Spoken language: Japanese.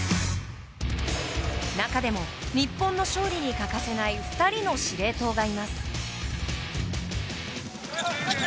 中でも、日本の勝利に欠かせない２人の司令塔がいます。